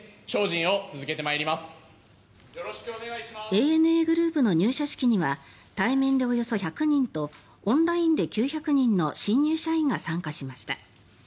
ＡＮＡグループの入社式には対面でおよそ１００人とオンラインで９００人の新入社員が参加しました。